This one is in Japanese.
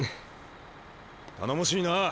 頼もしいなあ。